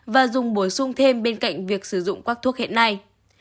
và dùng bổ sung thêm bên cạnh việc sử dụng các thuốc hiện nay